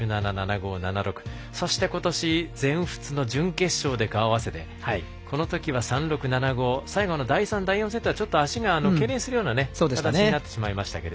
５、７ー６そして、今年全仏の決勝で顔を合わせて３−６、７−５最後の第４、第５セットは足が、けいれんするような形になってしまいましたが。